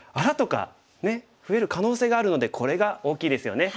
ねえ増える可能性があるのでこれが大きいですよね。